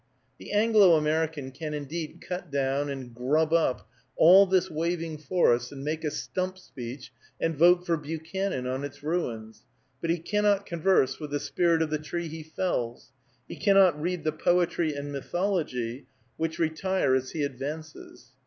The Anglo American can indeed cut down, and grub up all this waving forest, and make a stump speech, and vote for Buchanan on its ruins, but he cannot converse with the spirit of the tree he fells, he cannot read the poetry and mythology which retire as he advances.